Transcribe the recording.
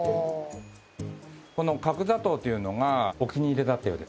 この角砂糖というのがお気に入りだったようで。